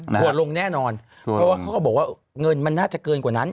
หัวลงแน่นอนเพราะว่าเขาก็บอกว่าเงินมันน่าจะเกินกว่านั้น